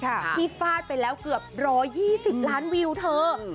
ที่ฟาดไปแล้วเกือบ๑๒๐ล้านวิวเธอ